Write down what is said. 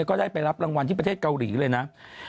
ก็ได้ไปรับรางวัลที่ประเทศเกาหลีเลยนะ